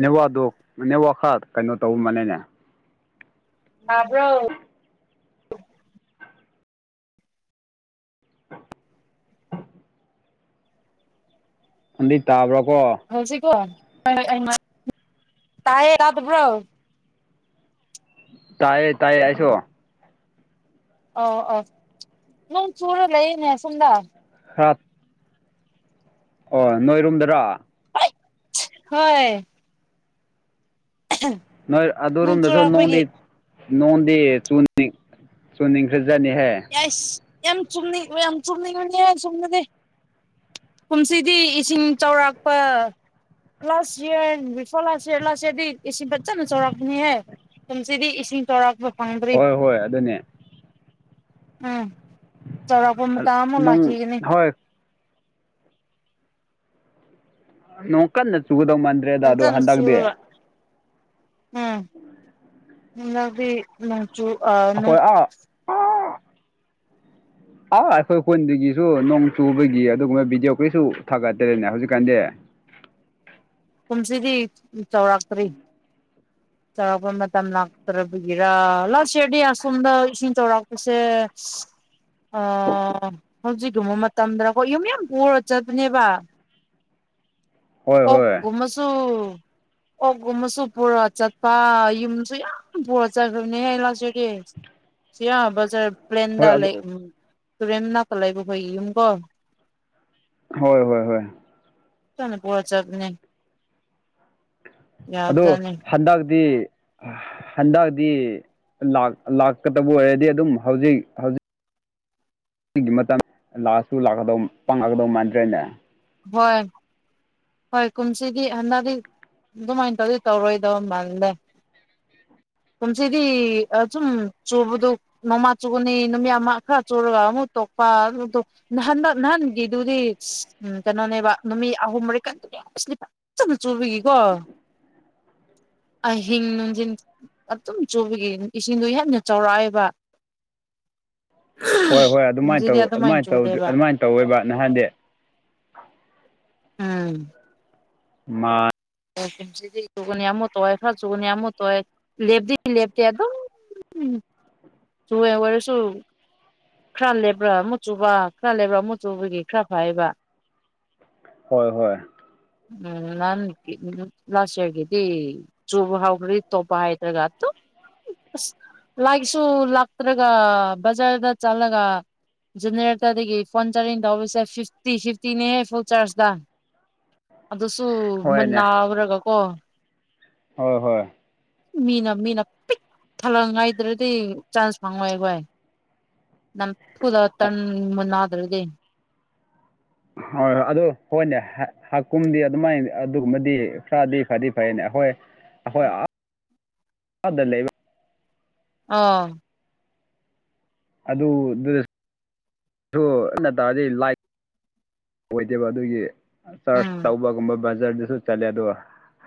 ꯅꯦꯋꯥꯗꯣ ꯅꯦꯋꯥ ꯈꯔ ꯀꯩꯅꯣ ꯇꯧꯔꯝꯕꯅꯦꯅꯦ꯫ ꯇꯥꯕ꯭ꯔꯣ꯫ ꯍꯟꯗꯤ ꯇꯥꯕ꯭ꯔꯣꯀꯣ꯫ ꯍꯧꯁꯤ ꯀꯣ ꯇꯌꯦ ꯇꯕ꯭ꯔꯣ꯫ [unintelligible] ꯇꯥꯏꯌꯦ ꯇꯥꯏꯌꯦ ꯑꯩꯁꯨ꯫ ꯑꯣ ꯑꯣ ꯅꯪꯡ ꯆꯨꯔ ꯂꯩ ꯏꯅꯦ ꯑꯁꯣꯝꯗ꯫ ꯍꯥꯠ꯫ ꯑꯣ ꯅꯣꯏꯔꯣꯝꯗꯔꯣ꯫ ꯍꯣꯏ꯫ ꯎꯝ꯫ ꯅꯣꯏ ꯑꯗꯨꯔꯨꯝꯝꯗꯁꯨ ꯅꯣꯗꯤ꯫ ꯅꯣꯡꯗꯤ ꯆꯨꯅꯤꯡ ꯆꯨꯅꯤꯡꯈꯖꯠꯅꯤꯍꯦ꯫ ꯌꯥꯏꯁ ꯌꯥꯝ ꯆꯨꯝꯅꯤꯡ ꯌꯥꯝ ꯆꯨꯝꯅꯤꯡꯉꯅꯤꯍꯦ ꯑꯁꯣꯝꯗꯗꯤ꯫ ꯀꯨꯝꯁꯤꯗꯤ ꯏꯁꯤꯡ ꯆꯥꯎꯧꯔꯥꯛꯄ꯫ Last year before last year last ꯏꯌꯥꯔꯗꯤ ꯏꯁꯤꯡ ꯐꯖꯅ ꯆꯥꯎꯔꯛꯄꯅꯤꯍꯦ꯫ ꯀꯨꯝꯁꯤꯗꯤ ꯏꯁꯤꯡ ꯆꯣꯔꯔꯛꯄ꯫ ꯍꯣꯏ ꯍꯣꯏ ꯑꯗꯨꯅꯦ꯫ ꯎꯝ ꯆꯥꯎꯔꯥꯛꯄ ꯃꯇꯝ ꯑꯃꯨꯛ ꯅꯣꯡ ꯂꯥꯛꯈꯤꯒꯅꯤ꯫ ꯍꯣꯏ ꯅꯣꯡ ꯀꯟꯅ ꯆꯨꯒꯗꯧ ꯃꯥꯟꯗ꯭ꯔꯦꯗ ꯑꯗꯣ ꯐꯖꯅ ꯍꯟꯗꯛꯇꯤ꯫ ꯆꯨꯔꯒ ꯎꯝ꯫ ꯍꯟꯅꯗꯤ ꯅꯣꯡꯆꯁꯨ ꯅꯣ꯫ ꯑꯩꯈꯣꯏ ꯑꯥ ꯑ ꯑꯩꯈꯣꯏ ꯈꯨꯟꯗꯒꯤꯁꯨ ꯅꯣꯡ ꯆꯨꯕꯒꯤ ꯑꯗꯨꯒꯨꯝꯕ ꯚꯤꯗꯤꯑꯣ ꯀꯔꯤꯁꯨ ꯊꯥꯒꯠꯇꯔꯤꯦꯅꯦ ꯍꯧꯖꯤꯛꯀꯥꯟꯗꯤ꯫ ꯀꯨꯝꯁꯤꯗꯤ ꯌꯥꯎꯧꯔꯥꯛꯇ꯭ꯔꯤ꯫ ꯆꯥꯎꯔꯥꯛꯄ ꯃꯇꯝ ꯂꯥꯛꯇ꯭ꯔꯕꯒꯤꯔ ꯂꯥꯁ ꯏꯔꯗꯤ ꯑꯁꯣꯝꯗ ꯏꯁꯤꯡ ꯆꯥꯎꯧꯔꯥꯛꯄꯁꯦ꯫ ꯑꯣ ꯍꯧꯖꯤꯛꯒꯨꯝꯕ ꯃꯇꯝꯗꯀꯣ ꯌꯨꯝ ꯌꯥꯝ ꯄꯨꯔ ꯆꯠꯄꯅꯦꯕ꯫ ꯍꯣꯏ ꯑꯣꯛ ꯍꯣꯏ ꯀꯨꯝꯕꯁꯨ꯫ ꯑꯣꯛꯒꯨꯝꯕꯁꯨ ꯄꯨꯔꯒ ꯆꯠꯄ ꯌꯨꯝꯁꯨ ꯌꯥꯝ ꯄꯨꯔꯒ ꯆꯠꯈ꯭ꯔꯕꯅꯦ ꯑꯩ ꯂꯥꯁꯏꯔꯤꯗꯤ꯫ ꯁꯤꯌꯥ ꯕꯖꯥꯔ ꯄ꯭ꯂꯦꯟꯗ ꯍꯣꯏ ꯑꯗꯨ ꯂꯩ ꯇꯨꯔꯦꯟ ꯅꯥꯀ ꯂꯩꯕꯈꯣꯏ ꯏ ꯌꯨꯝꯀꯣ꯫ ꯍꯣꯏ ꯍꯣꯏ ꯍꯣꯏ [unintelligible] ꯄꯨꯔꯥ ꯆꯠꯄꯥꯅꯦ ꯑꯗꯣ ꯌꯥꯕꯖꯥꯠꯅꯤ ꯍꯟꯗꯛꯇꯤ ꯍꯟꯗꯛꯤ ꯂꯥꯛ ꯂꯥꯛꯀꯗꯕ ꯑꯣꯏꯔꯗꯤ ꯑꯗꯨꯝ ꯍꯧꯖꯤꯛ ꯍꯧꯖꯤꯛ ꯁꯤꯒꯤ ꯃꯇꯝ ꯂꯥꯛꯁꯨ ꯂꯥꯛꯀꯗꯧ ꯄꯥꯡꯉꯛꯀꯗꯧ ꯃꯥꯟꯗ꯭ꯔꯦꯅꯦ ꯍꯣꯏ ꯍꯣꯏ ꯀꯨꯝꯁꯤꯗꯤ ꯍꯟꯗꯛꯗꯤ ꯑꯗꯨꯃꯥꯏꯅ ꯇꯧꯗꯤ ꯇꯧꯔꯣꯏꯗꯕ ꯃꯥꯜꯂꯦ ꯀꯨꯝꯁꯤꯗꯤ ꯑꯗꯨꯨꯝ ꯆꯨꯕꯗꯣ ꯅꯣꯡꯃꯥ ꯆꯨꯒꯅꯤ ꯅꯨꯃꯤꯠ ꯑꯃ ꯈꯔ ꯆꯨꯔꯒ ꯑꯃꯨꯛ ꯇꯣꯛꯄ ꯑꯗꯨꯗ‌ꯣ ꯅꯍꯟꯗꯛ ꯅꯍꯟꯒꯤꯗꯨꯗꯤ ꯎꯝ ꯀꯩꯅꯣꯅꯦꯕ ꯅꯨꯃꯤꯠ ꯑꯍꯨꯝ ꯃꯔꯤ ꯀꯟꯇꯤꯅ꯭ꯌꯨꯁꯂꯤ ꯐꯖꯅ ꯆꯨꯕꯒꯤꯀꯣ ꯑꯍꯤꯡ ꯅꯨꯡꯗꯤꯟ ꯑꯗꯨꯝ ꯆꯨꯕꯒꯤ ꯏꯁꯤꯡꯗꯣ ꯌꯥꯝꯅ ꯆꯥꯎꯔꯥꯛꯑ‌ꯦꯕ ꯍꯣꯏ ꯍꯣꯏ ꯑꯗꯨꯃꯥꯏꯅ ꯇꯧ ꯑꯗꯨꯃꯥꯏꯅ ꯇꯧ ꯆꯨꯗꯦꯕ ꯑꯗꯨꯃꯥꯏꯅ ꯇꯧꯋ‌ꯦꯕ ꯅꯍꯥꯟꯗꯤ ꯎꯝ ꯃꯥ ꯁꯤꯗꯤ ꯆꯨꯒꯅꯤ ꯑꯃꯨꯛ ꯇꯣꯛꯑꯦ ꯈꯔ ꯆꯨꯒꯅꯤ ꯑꯃꯨꯛ ꯇꯣꯛꯑꯦ ꯂꯦꯞꯇꯤ ꯂꯦꯞꯇꯦ ꯑꯗꯨꯝ ꯆꯨꯋ‌ꯦ ꯑ‌ꯣꯏꯔꯁꯨ ꯈꯔ ꯂꯩꯕ꯭ꯔꯥ ꯃꯨꯛ ꯆꯨꯕ ꯈꯔ ꯂꯦꯕ꯭ꯔꯥ ꯃꯨꯛ ꯆꯨꯕꯒꯤ ꯈꯔ ꯐꯩꯌ‌ꯦꯕ ꯍꯣꯏ ꯍꯣꯏ ꯎꯝ ꯅꯥꯍꯟꯒꯤ ꯂꯥꯥꯁ ꯏꯌꯥꯔꯒꯤꯗꯤ ꯆꯨꯕ ꯍꯥꯥꯎꯒ꯭ꯔꯗꯤ ꯇꯣꯄ ꯍꯥꯏꯇ꯭ꯔꯒ ꯗꯨꯝ ꯑꯁ ꯂꯥꯏꯒꯁꯨ ꯂꯥꯛꯇ꯭ꯔꯒ ꯕꯖꯥꯔꯗ ꯆꯠꯂꯒ ꯖꯦꯅꯦꯔꯦꯇꯔ ꯗꯒꯤ ꯐꯣꯟ ꯆꯥꯔꯖꯤꯡ ꯇꯧꯕꯁꯦ ꯐꯤꯐꯇꯤ ꯐꯤꯐꯇꯤꯅꯦꯍ‌ꯦ ꯐꯨꯜ ꯆꯥꯔꯖꯇ ꯑꯗꯨꯁꯨ ꯍꯣꯏꯅꯦ ꯃꯨꯟꯅꯎꯔꯒ ꯀꯣ ꯍꯣꯏ ꯍꯣꯏ ꯃꯤꯅ ꯃꯤꯅ ꯄꯤꯛ ꯊꯜꯂꯛꯉꯥꯏꯗ꯭ꯔꯗꯤ ꯆꯥꯟꯁ ꯐꯪꯉꯣꯏ ꯑꯩꯈꯣꯏ ꯅꯝ ꯊꯨꯔ ꯇ꯭ꯔꯟ ꯃꯨꯟꯅꯗ꯭ꯔꯗꯤ ꯍꯣꯏ ꯍꯣꯏ ꯑꯗꯨ ꯍꯣꯏꯅꯦ ꯍꯥꯀꯨꯝꯗꯤ ꯑꯗꯨꯃꯥꯏꯅ ꯑꯗꯨꯒꯨꯝꯕꯗꯤ ꯈꯔꯗꯤ ꯐꯗꯤ ꯐꯩꯅꯦ ꯑꯩꯈ‌ꯣꯏ ꯍꯣꯏ [inaudible] ꯑꯥꯗ ꯂꯩꯕ ꯑꯥ ꯑꯗꯨ ꯗꯨ [inaudible] ꯇꯥꯎꯔꯗꯤ ꯂꯥꯏꯠ ꯑꯣꯏꯗꯦꯕ ꯑꯗꯨꯒꯤ ꯆꯔꯆ ꯎꯝ ꯇꯧꯕꯒꯨꯝꯕ ꯕꯖꯔꯗꯁꯨ ꯆꯠꯂꯦ ꯑꯗ‌ꯣ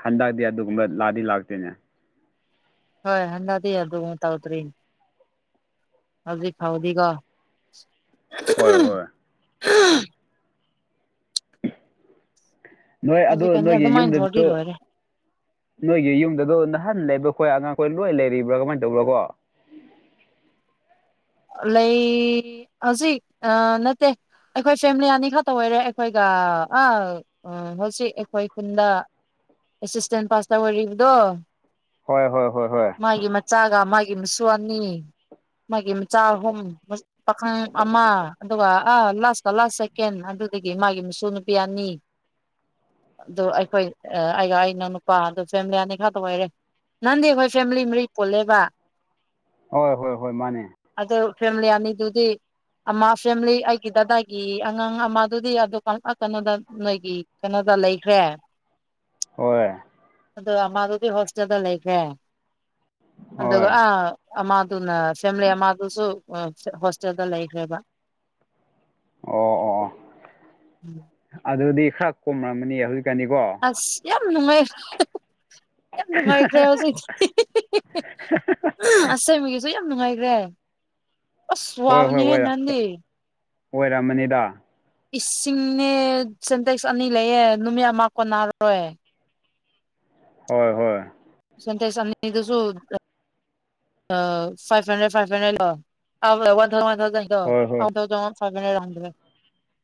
ꯍꯟꯗꯛꯗꯤ ꯑꯗꯨꯒꯨꯝꯕ ꯂꯥꯛꯗꯤ ꯂꯥꯛꯇ‌ꯦꯅꯦ ꯍꯣꯏ ꯍꯟꯗꯛꯗꯤ ꯑꯗꯨꯒꯨꯝꯕ ꯇꯧꯗ꯭ꯔ‌ꯦ ꯍꯧꯖꯤꯛ ꯐꯥꯎꯗꯤꯀ‌ꯣ ꯍꯣꯏ ꯍꯣꯏ [unintelligible] ꯅꯣꯏ ꯑꯗꯨ ꯍꯧꯖꯤꯛꯀꯥꯟꯗꯤ ꯅꯣꯏꯒꯤ ꯑꯗꯨꯃꯥꯏꯅ ꯇꯧꯔꯗꯤ ꯌꯨꯝꯗꯁꯨ ꯂꯣꯏꯔꯦ ꯅꯣꯏꯒꯤ ꯌꯨꯝꯗꯣ ꯅꯍꯥꯟ ꯂꯩꯕ ꯈꯣꯏ ꯑꯉꯥꯡꯈꯣꯏ ꯂꯣꯏ ꯂꯩꯔꯤꯕ꯭ꯔꯥ ꯀꯃꯥꯏꯅ ꯇꯧꯕ꯭ꯔꯥ ꯀꯣ ꯂꯩ ꯍꯧꯖꯤꯛ ꯑ ꯅꯠꯇꯦ ꯑꯩꯈꯣꯏ ꯐꯦꯃꯤꯂꯤ ꯑꯅꯤ ꯈꯛꯇ ꯑꯣꯏꯔꯦ ꯑꯩꯈꯣꯏꯒ ꯑ ꯑꯥ ꯍꯧꯖꯤꯛ ꯑꯩꯈꯣꯏ ꯈꯨꯟꯗ ꯑꯦꯁꯤꯁꯇꯦꯟ ꯄꯥꯁꯇꯔ ꯑꯣꯏꯔꯤꯕꯗꯣ ꯍꯣꯏ ꯍꯣꯏ ꯍꯣꯏ ꯍꯣꯏ ꯃꯥꯒꯤ ꯃꯆꯥꯒ ꯃꯥꯒꯤ ꯃꯁꯨ ꯑꯅꯤ ꯃꯥꯒꯤ ꯆꯥ ꯑꯍꯨꯝ ꯄꯥꯈꯪ ꯑꯃ ꯑꯗꯨꯒ ꯑꯥ ꯂꯥꯁꯀ ꯂꯥꯁ ꯁꯦꯀꯦꯟ ꯑꯗꯨꯗꯒꯤ ꯃꯥꯒꯤ ꯃꯁꯨ ꯅꯨꯄꯤ ꯑꯅꯤ ꯑꯗꯨ ꯑꯩꯈꯣꯏ ꯑꯩꯒ ꯑꯩ ꯏꯅꯥꯎ ꯅꯨꯄꯥ ꯍꯟꯗꯛ ꯐ‌ꯦꯃꯤꯂꯤ ꯑꯅꯤꯈꯛꯇ ꯑꯣꯏꯔꯦ ꯅꯍꯟꯗꯤ ꯑꯩꯈꯣꯏ ꯐꯦꯃꯤꯂꯤ ꯃꯔꯤ ꯄꯨꯜꯂꯦꯕ ꯍꯣꯏ ꯍꯣꯏ ꯍꯣꯏ ꯃꯥꯅꯦ ꯑꯗ‌ꯣ ꯐꯦꯃꯤꯂꯤ ꯑꯅꯤꯗꯨꯗꯤ ꯑꯃ ꯐꯦꯃꯤꯂꯤ ꯑꯩꯒꯤ ꯗꯗꯥꯒꯤ ꯑꯉꯥꯡ ꯑꯃꯗꯨꯗꯤ ꯑꯗꯨ ꯀꯩꯅꯣꯗ ꯅꯣꯏꯒꯤ ꯀꯩꯅꯣꯗ ꯂꯩꯈ꯭ꯔꯦ ꯍꯣꯏ ꯑꯗꯨ ꯑꯃꯗꯨꯗꯤ ꯍꯣꯁꯇꯦꯜꯗ ꯂꯩꯈ꯭ꯔꯦ ꯍꯣꯏ ꯑꯗꯨꯒ ꯑ ꯑꯃꯗꯨꯅ ꯐꯦꯃꯤꯂꯤ ꯑꯃꯗꯨꯁꯨ ꯍꯣꯁꯇꯦꯜꯗ ꯂꯩꯈ꯭ꯔꯦꯕ ꯑꯣ ꯑꯣ ꯑꯣ ꯑꯗꯨꯗꯤ ꯈꯔ ꯀꯣꯝꯔꯝꯒꯅꯤ ꯍꯧꯖꯤꯛꯀꯥꯟꯗꯤꯀꯣ ꯑꯁ ꯌꯥꯝ ꯅꯨꯡꯉꯥꯏ ꯌꯥꯝ ꯅꯨꯡꯉꯥꯏꯈ꯭ꯔꯦ ꯍꯧꯖꯤꯛꯇꯤ ꯑꯁꯦꯡꯕꯒꯤꯁꯨ ꯌꯥꯝ ꯅꯨꯡꯉꯥꯏꯈ꯭ꯔꯦ ꯑꯁ ꯍꯣꯏ ꯋꯥꯕꯅꯦꯍꯦ ꯍꯣꯏ ꯅꯍꯥꯟꯗꯤ ꯑꯣꯏꯔꯝꯃꯅꯤꯗ ꯏꯁꯤꯡꯅꯦ ꯁꯦꯟꯇꯦꯛꯁ ꯑꯅꯤ ꯂꯩꯌꯦ ꯅꯨꯃꯤꯠ ꯑꯃ ꯀꯣꯟꯅꯔꯣꯏ ꯍꯣꯏ ꯍꯣꯏ ꯁꯟꯇꯦꯛꯁ ꯑꯅꯤꯗꯨꯁꯨ ꯐꯥꯏꯚ ꯍꯟ꯭ꯗꯔꯦꯠ ꯐꯥꯏꯚ ꯍꯟ꯭ꯗꯔꯦꯠ ꯂ‌ꯣ ꯋꯥꯟ ꯊꯥꯎꯖꯟ ꯋꯥꯟ ꯊꯥꯎꯖꯟ ꯍꯣꯏ ꯍꯣꯏ ꯂ‌ꯣ [unintelligible] ꯍꯟꯗ꯭ꯔ‌ꯦꯠ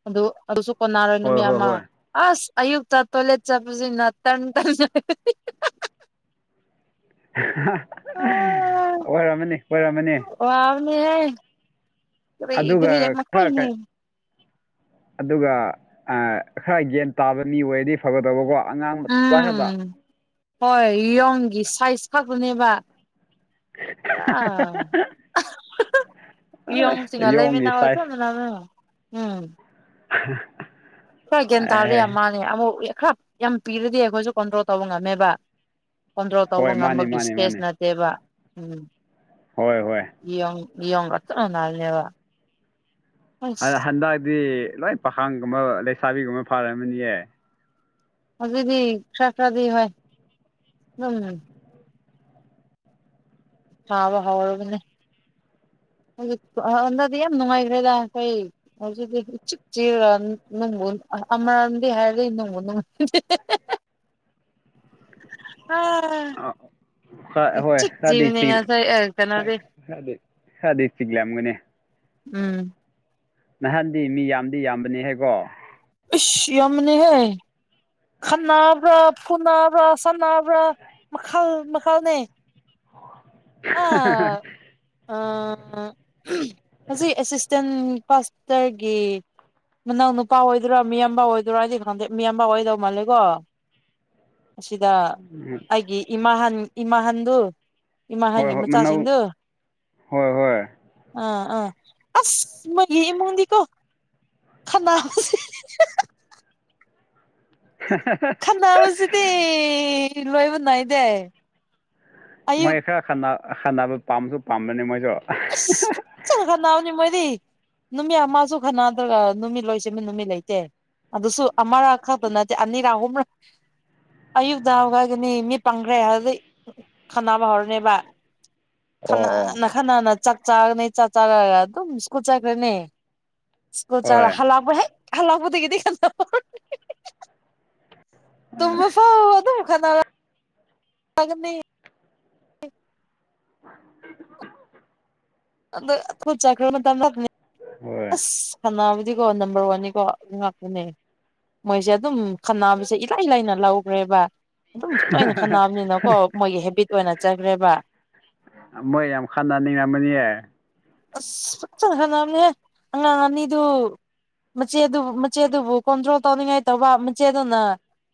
ꯑꯗꯨ ꯑꯗꯨꯁꯨ ꯀꯣꯟꯅꯔꯣꯏ ꯍꯣꯏ ꯅꯨꯃꯤꯠ ꯍꯣꯏ ꯑꯃ ꯍꯣꯏ ꯑꯁ ꯑꯌꯨꯛꯇ ꯇꯣꯏꯂꯦꯠ ꯆꯠꯄꯖꯤꯅ [unintelligible] ꯑꯣꯏꯔꯝꯃꯅꯤ ꯑꯣꯏꯔꯝꯃꯅꯤ ꯋꯥꯕꯅꯤꯍꯦ ꯀꯔꯤ ꯀꯔꯤ ꯑꯗꯨꯒ ꯑꯃꯨꯛ ꯈꯔ ꯍꯥꯢꯅꯤ ꯑꯗꯨꯒ ꯑꯥ ꯈꯔ ꯒ꯭ꯌꯥꯟ ꯇꯥꯕ ꯃꯤ ꯑꯣꯏꯔꯗꯤ ꯐꯒꯗꯕꯀꯣ ꯑꯉꯥꯡ ꯃꯆꯥ ꯈꯠꯇꯥ ꯎꯝ ꯍꯣꯏ ꯌꯣꯡꯒꯤ ꯁꯥꯏꯖ ꯈꯛꯇꯅꯦꯕ [unintelligible] ꯌꯣꯡ ꯁꯤꯡꯒ ꯌꯣꯡꯒꯤ ꯂꯩꯃꯤꯟꯅꯕ ꯁꯥꯏꯖ ꯆꯞ ꯃꯥꯟꯅꯕꯔꯥ ꯎꯝ [unintelligible] ꯈꯔ ꯒ꯭ꯌꯥꯟ ꯇꯥꯔꯦ ꯑꯦꯍꯦ ꯑꯃꯥꯅꯦ ꯑꯃꯨꯛ ꯈꯔ ꯌꯥꯝ ꯄꯤꯔꯗꯤ ꯑꯩꯈꯣꯏꯁꯨ ꯀꯟꯇ꯭ꯔꯣꯜ ꯇꯧꯕ ꯉꯝꯃꯦꯕ ꯀꯣꯟꯇꯔꯣꯜ ꯇꯧꯕ ꯍꯣꯏ ꯃꯥꯅꯦ ꯉꯝꯕꯒꯤ ꯃꯥꯅꯦ ꯏꯁꯄꯦꯁ ꯃꯥꯅꯦ ꯅꯠꯇꯦꯕ ꯎꯝ ꯍꯣꯏ ꯍꯣꯏ [unintelligible] ꯑꯁ ꯍꯟꯗꯛꯇꯤ ꯂꯣꯏ ꯄꯥꯈꯥꯡꯒꯨꯝꯕ ꯂꯩꯁꯥꯕꯤꯒꯨꯝꯕ ꯐꯥꯔꯝꯃꯅꯤꯌꯦ ꯍꯧꯖꯤꯛꯗꯤ ꯈꯔ ꯈꯔꯗꯤ ꯍꯣꯏ ꯑꯗꯨꯝ ꯇꯥꯕ ꯍꯧꯔꯕꯅꯦ ꯍꯧꯖꯤꯛ ꯇꯨ ꯍꯟꯗꯛꯗꯤ ꯌꯥꯝ ꯅꯨꯡꯉꯥꯏꯈ꯭ꯔꯦꯗ ꯑꯩꯈꯣꯏ ꯍꯧꯖꯤꯛꯗꯤ ꯆꯤꯛ ꯆꯤꯔ ꯅꯣꯡꯕꯨ ꯑꯃꯔꯝꯗꯤ ꯍꯥꯏꯔꯗꯤꯏ ꯅꯣꯡꯕꯨꯅꯨꯡꯃ ꯑꯥ ꯍꯣꯏ ꯉꯁꯥꯏ ꯑ ꯀꯩꯅꯣꯗꯤ [unintelligible] ꯈꯔꯗꯤ ꯆꯤꯛꯂꯝꯒꯅꯤ ꯎꯝ ꯅꯍꯥꯟꯗꯤ ꯃꯤ ꯌꯥꯝꯗꯤ ꯌꯥꯝꯕꯅꯤꯍꯦꯀꯣ ꯏꯁ ꯌꯥꯝꯕꯅꯤꯍꯦ ꯈꯠꯅꯕ꯭ꯔꯥ ꯐꯨꯅꯕ꯭ꯔꯥ ꯁꯥꯟꯅꯕ꯭ꯔꯥ ꯃꯈꯜ ꯃꯈꯜꯅꯦ [unintelligible] ꯑꯥ ꯍꯧꯖꯤꯛ ꯑꯦꯁꯤꯁꯇꯦꯟ ꯄꯥꯁꯇꯔꯒꯤ ꯃꯅꯥꯎꯅꯨꯄꯥ ꯑꯣꯏꯗꯣꯏꯔꯥ ꯃꯤꯌꯥꯝꯕ ꯑꯣꯏꯗꯣꯏꯔꯥ ꯑꯩꯗꯤ ꯈꯪꯗꯦ ꯃꯤꯌꯥꯝꯕ ꯑꯣꯏꯗꯧ ꯃꯥꯜꯂꯦꯀꯣ ꯑꯁꯤꯗ ꯎꯝ ꯑꯩꯒꯤ ꯏꯃꯥꯍꯥꯟ ꯏꯃꯥꯍꯟꯗꯨ ꯍꯣꯏ ꯏꯃꯥꯍꯟꯒꯤ ꯍꯣꯏ ꯃꯅꯧ ꯃꯆꯥꯁꯤꯡꯗꯨ ꯍꯣꯏ ꯍꯣꯏ ꯑ ꯑ ꯑꯁ ꯃꯣꯌꯒꯤ ꯏꯃꯨꯡꯗꯤꯀꯣ ꯈꯠꯅꯕꯁꯤ [unintelligible] ꯈꯠꯅꯥꯕꯁꯤꯗꯤ ꯂꯣꯏꯕ ꯅꯥꯏꯗꯦ ꯑꯌꯨꯛ ꯃꯣꯏ ꯈꯔ ꯈꯠꯅ ꯈꯠꯅꯥꯕ ꯄꯥꯝꯕꯁꯨ ꯄꯥꯝꯕꯅꯦ ꯃꯣꯏꯁꯨ ꯆꯂ ꯈꯅꯎꯅꯤ ꯃꯣꯏꯗꯤ ꯅꯨꯃꯤꯠ ꯑꯃꯁꯨ ꯈꯅꯗ꯭ꯔꯒ ꯅꯨꯃꯤꯠ ꯂꯣꯏꯁꯤꯃ ꯅꯨꯃꯤꯠ ꯂꯩꯇꯦ ꯑꯗꯨꯁꯨ ꯑꯃꯔꯥ ꯈꯛꯇ ꯅꯠꯇꯦ ꯑꯅꯤꯔꯛ ꯑꯍꯨꯝꯔꯛ ꯑꯌꯨꯛꯇ ꯍꯥꯏꯒꯅꯤ ꯃꯤ ꯄꯥꯡꯈ꯭ꯔꯦ ꯍꯥꯏ ꯈꯟꯅꯅꯕ ꯍꯧꯔꯅꯦꯕ ꯑꯣ ꯈꯅ ꯑꯣ ꯈꯅꯥꯅ ꯆꯥꯛ ꯆꯥꯅꯤ ꯆꯥꯛ ꯆꯥꯔꯒ ꯑꯗꯨꯝ ꯁ꯭ꯀꯨꯠ ꯆꯠꯈ꯭ꯔꯦꯅꯦ ꯁꯀꯣ ꯆ ꯍꯣꯏ ꯍꯜꯂꯄ ꯍꯜꯂꯄꯗ ꯀꯗꯤ ꯀꯣ ꯇꯃ ꯐꯥꯎꯗ ꯃꯈ ꯈ ꯇꯪꯅꯤ ꯍ [unintelligible] ꯑꯗꯈꯣꯏ ꯆꯈ꯭ꯔ ꯃꯇꯝ ꯂꯥꯛꯅꯦ ꯍꯣꯏ ꯑꯁ ꯁꯅꯥꯕꯨꯗꯤꯀꯣ ꯅꯝꯕꯔ ꯋꯥꯟꯅꯤꯀꯣ ꯉꯥꯛꯇꯨꯅꯦ ꯃꯣꯏꯁꯦ ꯑꯗꯨꯝ ꯈꯟꯅꯕꯁꯦ ꯏꯂꯥꯏ ꯂꯥꯏꯅ ꯂꯧꯈ꯭ꯔꯦꯕ ꯑꯗꯨꯝ ꯇꯣꯏꯅ ꯈꯟꯅꯕꯅꯤꯅꯀꯣ ꯃꯣꯏꯒꯤ ꯍꯦꯕꯤꯠ ꯑꯣꯏꯅ ꯆꯠꯈ꯭ꯔꯦꯕ ꯃꯩ ꯌꯥꯝ ꯈꯥꯟꯅ ꯅꯦꯡꯉ ꯃ ꯌꯦ ꯑꯁ ꯐ ꯆꯪ ꯈꯅꯕꯅꯦ ꯑꯉꯥꯡ ꯑꯅꯤꯗꯨ ꯃꯆꯦꯗꯨꯕꯨ ꯃꯆꯦꯗꯨꯕꯨ ꯀꯣꯟꯇ꯭ꯔꯣꯜ ꯇꯧꯅꯤꯡꯉꯥꯏ ꯇꯧꯕ ꯃꯆꯦꯗꯨꯅ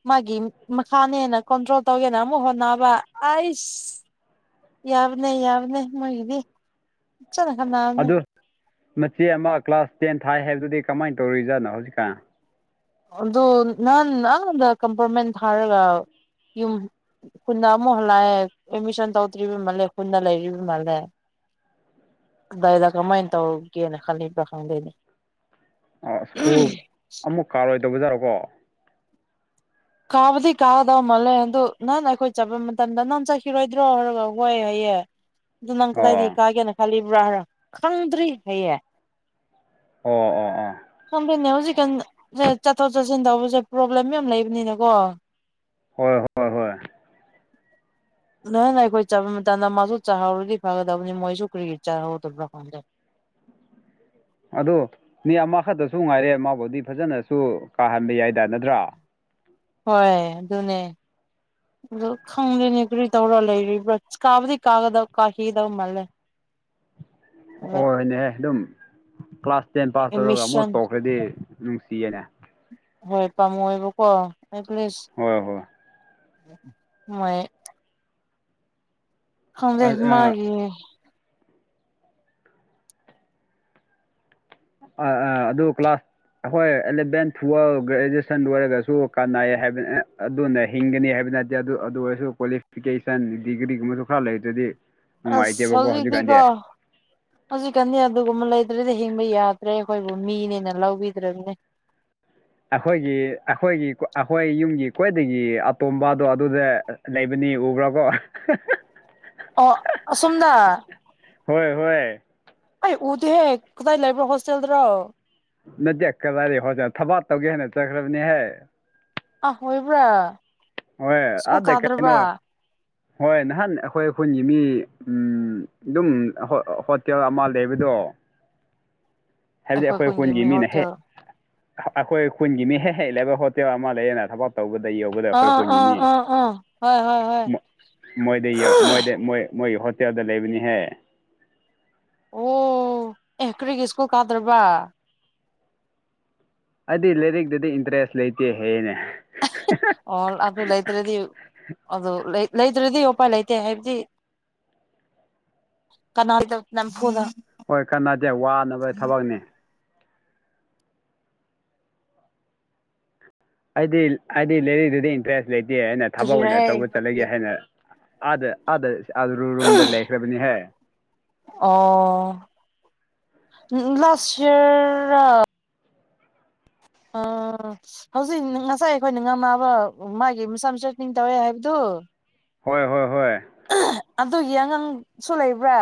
ꯃꯥꯒꯤ ꯃꯈꯥꯅ ꯍꯦꯟꯅ ꯀꯣꯟꯇ꯭ꯔꯣꯜ ꯇꯧꯒꯦꯅ ꯑꯃꯨꯛ ꯍꯣꯠꯅꯕ ꯑꯁ ꯌꯥꯕꯅꯦ ꯌꯥꯕꯅꯦ ꯃꯣꯏꯒꯤꯗꯤ ꯆꯅ ꯈꯟꯅꯕꯅꯦ ꯑꯗꯨ ꯃꯆꯦ ꯑꯃ ꯀ꯭ꯂꯥꯁ ꯇꯦꯟ ꯊꯥꯏ ꯍꯥꯏꯕꯗꯨꯗꯤ ꯀꯃꯥꯏꯅ ꯇꯧꯔꯤꯖꯥꯠꯅꯣ ꯍꯧꯖꯤꯛꯀꯥꯟ ꯑꯗꯨꯣ ꯅꯥꯟ ꯑꯗ ꯀꯝꯄꯔꯃꯦꯟ ꯍꯥꯔꯒ ꯌ ꯈꯨꯟꯗ ꯑꯃꯨꯛ ꯍꯜꯂꯥꯛꯑꯦ ꯑꯦꯗꯃꯤꯁꯟ ꯇꯧꯗ꯭ꯔꯤꯕ ꯃꯥꯜꯂꯦ ꯈꯨꯟꯗ ꯂꯩꯔꯤꯕ ꯃꯥꯜꯂꯦ ꯑꯗꯨꯗꯥꯏꯗ ꯀꯃꯥꯏꯅ ꯇꯧꯒꯦꯅ ꯈꯜꯂꯤꯕꯥ ꯈꯪꯗꯣꯏꯅꯦ ꯑ ꯁ꯭ꯀꯨꯜ ꯑꯃꯨꯛ ꯀꯥꯔꯣꯏꯗꯧꯕꯖꯥꯔꯣꯀꯣ ꯀꯥꯕꯨꯗꯤ ꯀꯥꯒꯗꯧ ꯃꯥꯜꯂꯦ ꯑꯗꯨ ꯅꯥꯟ ꯑꯩꯈꯣꯏ ꯆꯠꯄ ꯃꯇꯝꯗ ꯅꯪ ꯆꯠꯈꯤꯔꯣꯏꯗ꯭ꯔꯣ ꯍꯥꯏꯔꯒ ꯍꯣꯏꯦ ꯍꯥꯏꯌꯦꯦ ꯑꯗꯨ ꯅꯪ ꯀꯗꯥꯥꯏꯗꯤ ꯑꯣ ꯀꯥꯦꯅ ꯈꯂꯤ ꯏꯕ꯭ꯔꯥ ꯍꯥ꯭ꯔ ꯈꯪꯗ꯭ꯔꯤ ꯍꯌꯦ ꯑꯣ ꯑꯣ ꯑꯣ ꯁ ꯅꯦꯎꯖꯤ ꯀ ꯁ ꯆꯠꯊꯣꯛ ꯆꯠꯁꯤꯟ ꯇꯧꯕꯁꯦ ꯄ꯭ꯔꯣꯕ꯭ꯂꯦꯝ ꯌꯥꯝ ꯂꯩꯕꯅꯤꯅꯀꯣ ꯍꯣꯏ ꯍꯣꯏ ꯍꯣꯏ ꯅꯪ ꯅ ꯑꯩꯈꯣꯏ ꯆꯠꯄ ꯃꯇꯝꯗ ꯃꯥꯁꯨ ꯆꯥꯍꯧꯔꯗꯤ ꯐꯒꯗꯕꯅꯤ ꯃꯣꯏꯁꯨ ꯀꯔꯤꯔꯤ ꯆꯥꯍꯧꯗꯕ꯭ꯔꯥ ꯈꯪꯗꯦ ꯑ ꯃꯤ ꯑꯃꯈꯛꯇꯁꯨ ꯉꯥꯏꯔꯦ ꯃꯥꯕꯨꯗꯤ ꯐꯖꯅꯁꯨ ꯀꯥꯍꯟꯕ ꯌꯥꯏꯗ ꯅꯠꯇ꯭ꯔꯥ ꯍꯣꯏ ꯑꯗꯨꯅꯦ ꯑ ꯈꯪꯗꯦꯅꯤ ꯀꯔꯤ ꯇꯧꯔꯣ ꯂꯩꯔꯤꯕ꯭ꯔꯥ ꯀꯥꯕꯨꯗꯤ ꯀꯥꯒꯗꯕ ꯀꯥꯈꯤꯒꯗꯕ ꯃꯥꯜꯂꯦ [inaudible] ꯍꯅꯦꯍꯦ ꯑꯗꯨꯝ ꯄ꯭ꯂꯥꯁ ꯇꯦꯟ ꯄꯥꯁ ꯇꯧꯔꯒ ꯑꯃꯨꯛ ꯑꯦꯠꯃꯤꯁꯟ ꯇꯧꯈ꯭ꯔꯗꯤ ꯅꯨꯡꯁꯤꯌꯦꯅꯦ ꯍꯣꯏ ꯄꯥꯝꯃꯨ ꯑꯣꯏꯕꯀꯣ ꯑꯦꯠꯂꯤꯁ ꯍꯣꯏ ꯍꯣꯏ ꯃꯣꯏ ꯍꯗꯦ ꯃꯥꯒꯤ ꯑ ꯑ ꯑꯗꯨ ꯀ꯭ꯂꯥꯁ ꯑꯩꯈꯣꯏ ꯑꯦꯂꯚꯦꯟ ꯇꯨꯋꯦꯜꯕ ꯒ꯭ꯔꯦꯖꯨꯑꯦꯁꯟ ꯂꯣꯏꯔꯒꯁꯨ ꯀꯥꯟꯅꯩ ꯍꯥꯏꯕ ꯑꯗꯨꯅ ꯍꯤꯡꯒꯅꯤ ꯍꯥꯏꯕ ꯅꯠꯇ ꯑꯗꯨ ꯑꯗꯨ ꯑꯣꯏꯔꯁꯨ ꯀ꯭ꯋꯥꯂꯤꯐꯤꯀꯦꯁꯟ ꯗꯤꯒ꯭ꯔꯤꯒꯨꯝꯕꯁꯨ ꯈꯔ ꯂꯩꯗꯨꯗꯤ ꯑꯁꯁꯤꯗꯤꯀꯣ ꯍꯧꯖꯤꯛꯀꯥꯟꯗꯤ ꯑꯗꯨꯒꯨꯝꯕ ꯂꯩꯗ꯭ꯔꯗꯤ ꯍꯤꯡꯕ ꯌꯥꯗ꯭ꯔꯦ ꯑꯩꯈꯣꯏꯕꯨ ꯃꯤꯅꯦꯅ ꯂꯧꯕꯤꯗ꯭ꯔꯕꯅꯦ ꯑꯩꯈꯣꯏꯒꯤ ꯑꯩꯈꯣꯏꯒꯤ ꯑꯩꯈꯣꯏ ꯌꯨꯝꯒꯤ ꯈ꯭ꯣꯏꯗꯒꯤ ꯑꯇꯣꯝꯕꯗꯣ ꯑꯗꯨꯗ ꯂꯩꯕꯅꯤ ꯎꯕ꯭ꯔꯣ ꯀꯣ ꯑꯣ ꯁꯨꯝꯗ ꯍꯣꯏ ꯍꯣꯏ ꯑꯩ ꯎꯗꯤꯍꯦ ꯀꯗꯥꯏ ꯂꯩꯕ꯭ꯔꯣ ꯍꯣꯁꯇꯦꯜꯗ꯭ꯔꯣ ꯅꯠꯇꯦ ꯀꯗꯥꯏꯔꯤ ꯍꯣꯖꯅ ꯊꯕꯥ ꯇꯧꯒꯦ ꯍꯥꯏꯦꯅ ꯆꯠꯈ꯭ꯔꯕꯅꯤꯍꯦ [unintelligible] ꯑꯥ‌ ꯍꯣꯏꯕ꯭ꯔꯥ ꯑꯣ ꯑꯥꯗ ꯀꯩꯏꯅꫭ ꯍꯣꯏ ꯅꯍꯥꯟ ꯑꯩꯈꯣꯏ ꯈꯨꯟꯒꯤ ꯃꯤ ꯎꯝ ꯑꯗꯨꯝ ꯀꯀꯦꯜ [unintelligible] ꯑꯃ ꯂꯩꯕꯗꯣ [inaudible] ꯍꯥꯏꯕꯗꯤ ꯑꯩꯈꯣꯏ ꯈꯨꯟꯒꯤ ꯈꯨꯜꯒꯤ ꯃꯤ ꯃꯤꯅ ꯍꯦꯛ ꯍꯣꯇꯦꯜ ꯑꯩꯈꯣꯏ ꯈꯨꯟꯒꯤ ꯃꯤ ꯍꯦꯛ ꯍꯦꯛ ꯂꯩꯕ ꯍꯣꯇꯦꯜ ꯑꯃ ꯂꯩꯌꯦꯅ ꯊꯕꯛ ꯇꯧꯕꯗ ꯌꯧꯕꯗ ꯑꯩꯈꯣꯏ ꯑꯥ ꯑꯥ ꯄꯨꯉꯤꯅꯤꯏ ꯑꯥ ꯑꯥ ꯍꯣꯏ ꯍꯣꯏ ꯍꯣꯏ ꯍ [unintelligible] ꯇꯗ [unintelligible] ꯂꯩꯕꯅꯤꯍꯦ ꯑꯣ ꯑꯦ ꯀꯔꯤꯒꯤ ꯁ꯭ꯀꯨꯜ ꯀꯥꯗ꯭ꯔꯕꯥ ꯑꯩꯗꯤ ꯂꯥꯏꯔꯤꯛꯇꯗꯤ ꯏꯟꯇꯔꯦꯁ ꯂꯩꯇꯦ ꯍꯌꯦꯅꯦ ꯑꯣ ꯑꯗꯨ ꯂꯩꯇ꯭ꯔꯗꯤ ꯑꯗꯨ ꯂꯩꯗ꯭ꯔꯗꯤ ꯎꯄꯥꯏ ꯂꯩꯇꯦ ꯍꯥꯏꯕꯗꯤ ꯀꯅꯥꯗ ꯅꯝꯐꯨꯗ ꯍꯣꯏ ꯀꯥꯟꯅꯗꯦ ꯋꯥꯅꯕ ꯊꯕꯛꯅꯤ ꯑꯩꯗꯤ ꯍꯥꯏꯗꯤ ꯂꯩꯔꯤꯛꯇꯗꯤ ꯏꯟꯇ꯭ꯔꯦꯁ ꯂꯩꯇ‌ꯦ ꯍꯥꯏꯅ ꯊꯕꯛ ꯑꯣꯏꯅ ꯀꯔꯤꯔꯍꯦ ꯇꯧꯕ ꯆꯠꯂꯒꯦ ꯍꯥꯏꯅ ꯑꯥꯗ ꯑꯥꯗꯥ ꯔꯨꯔꯨꯝꯗ ꯂꯩꯈ꯭ꯔꯕꯅꯤꯍꯦ ꯑꯣ ꯂꯥꯁ ꯏꯌ‌ꯦꯔꯂꯥ [unintelligible] ꯑꯥ ꯍꯧꯖꯤꯛ ꯉꯁꯥꯏ ꯑꯩꯈꯣꯏꯅ ꯉꯝꯃꯕ ꯃꯥꯒꯤ ꯃꯆꯥꯥ ꯃꯁꯥꯅꯤꯡ [unintelligible] ꯇꯧꯋꯦ ꯍꯥꯏꯕꯗꯨ ꯍꯣꯏ ꯍꯣꯏ ꯍꯣꯏ ꯑꯗꯨꯒꯤ ꯑꯉꯥꯡꯁꯨ ꯂꯩꯕ꯭ꯔꯥ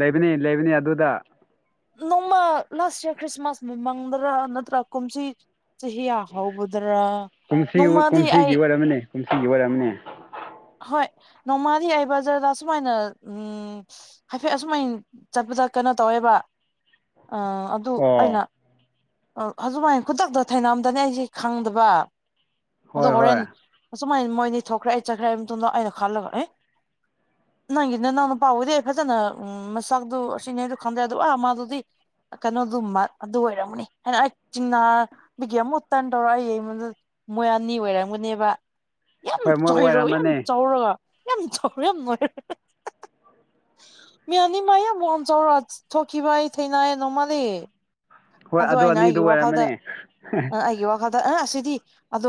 ꯂꯩꯕꯅ‌ꯦ ꯂꯩꯕꯅꯤ ꯑꯗꯨꯗ ꯅꯣꯡꯃ ꯂꯥꯁꯏꯌ‌ꯔ ꯈ꯭ꯔꯤꯁꯃꯥꯁ ꯃꯃꯥꯡꯗꯔꯥ ꯅꯠꯇ꯭ꯔꯥ ꯀꯨꯝꯁꯤ ꯆꯁꯤꯑ ꯍꯧꯕꯗꯔꯥ ꯀꯨꯝꯁꯤ ꯅꯣꯡꯃꯗꯤ ꯑꯩ ꯀꯨꯝꯁꯤꯒꯤ ꯑꯣꯏꯔꯝꯃꯅꯤ ꯀꯨꯝꯁꯤꯒꯤ ꯑꯣꯏꯔꯝꯃꯅꯦ ꯍꯣꯏ ꯅꯣꯡꯃꯥꯗꯤ ꯑꯩ ꯕꯖꯔꯗ ꯑꯁꯨꯃꯥꯏꯅ ꯎꯝ ꯍꯥꯏꯐꯦꯠ ꯑꯁꯨꯃꯥꯏꯟ ꯆꯠꯄꯗ ꯀꯩꯅꯣ ꯇꯧꯋꯦꯕ ꯑꯥ‌ ꯑꯗꯨ ꯑꯩꯅ ꯑꯣ ꯑꯗꯨꯃꯥꯏ ꯈꯨꯗꯛꯇ ꯊꯥꯏꯅꯝꯗꯅꯦ ꯑꯩꯁꯦ ꯈꯪꯗꯕ ꯑꯗꯣ ꯍꯣꯏ ꯍꯣꯔꯦꯟ ꯍꯣꯏ ꯑꯁꯨꯃꯥꯏꯅ ꯃꯣꯏꯅꯤ ꯊꯣꯛꯈ꯭ꯔꯦ ꯑꯩ ꯆꯠꯈ꯭ꯔꯦ ꯍꯥꯏ ꯃꯇꯨꯡꯗ ꯑꯩꯅ ꯈꯜꯂꯒ ꯑꯦ ꯅꯪꯒꯤ ꯅꯅꯥꯎꯅꯨꯄꯥꯕꯨꯗꯤ ꯐꯖꯅ ꯎꯝ ꯃꯁꯛꯗꯨ ꯑꯁꯤꯅꯦꯗꯨ ꯈꯪꯗ꯭ꯔꯦ ꯑ ꯑꯗꯨ ꯃꯥꯗꯨꯗꯤ ꯀꯩꯅꯣꯗꯨꯃ ꯑꯗꯨ ꯑꯣꯏꯔꯝꯃꯅꯤ ꯍꯥꯏꯅ ꯑꯩ ꯆꯤꯡꯅꯥꯕꯤꯒꯤ ꯑꯃꯨ ꯇꯟ [unintelligible] ꯇꯧꯔ ꯑꯩ ꯑꯩꯉꯣꯟꯗ ꯃꯣꯏ ꯑꯅꯤ ꯑꯣꯏꯔꯝꯒꯅꯦꯕ ꯌꯥꯝ ꯍꯣꯏ ꯃꯣꯏ ꯆꯣꯏꯔꯣ ꯌꯥꯝ ꯑꯣꯏꯔꯝꯃꯅꯤ ꯆꯥꯎꯔꯒ ꯌꯥꯝ ꯆꯥꯎꯔꯝ [unintelligible] ꯃꯤ ꯑꯅꯤꯃꯌꯥꯝ ꯋꯥꯡꯆꯥꯎꯔ ꯊꯣꯛꯈꯤꯕ ꯑꯩ ꯊꯦꯡꯅꯌꯦ ꯅꯣꯡꯃꯗꯤ ꯍꯣꯏ ꯑꯗꯣ ꯑꯗꯨ ꯑꯩꯅ ꯑꯅꯤꯗꯨ ꯑꯩꯒꯤ ꯋꯥꯈꯜꯗ ꯑꯣꯏꯔꯝꯃꯅꯤ ꯑ ꯑꯩꯒꯤ ꯋꯥꯈꯜꯗ ꯑꯦ ꯑꯁꯤꯗꯤ ꯑꯗꯣ